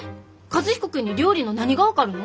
和彦君に料理の何が分かるの？